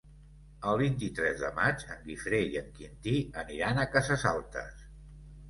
El vint-i-tres de maig en Guifré i en Quintí aniran a Cases Altes.